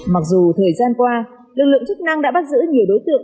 mặc dù thời gian qua lực lượng chức năng đã bắt giữ nhiều đối tượng